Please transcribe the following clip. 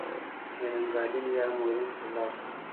نو اینګادین یا هم مورین ته ولاړ شه.